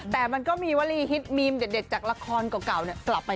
แต่มันก็มีวลีฮิตมีมเด็ดจากละครเก่ากลับไป